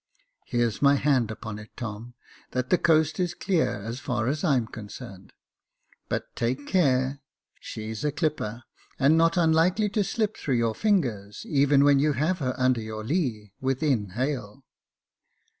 " Here's my hand upon it, Tom, that the coast is clear as far as I'm concerned ; but take care — she's a clipper, and not unlikely to slip through your fingers, even when you have her under your lee, within hail."